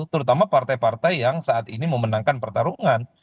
terutama partai partai yang saat ini memenangkan pertarungan